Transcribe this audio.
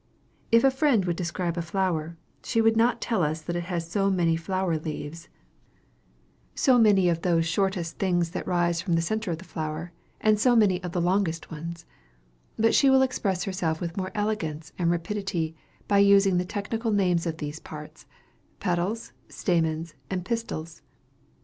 If a friend would describe a flower, she would not tell us that it has so many flower leaves, so many of those shortest things that rise from the centre of the flower, and so many of the longest ones; but she will express herself with more elegance and rapidity by using the technical names of these parts petals, stamens, and pistils.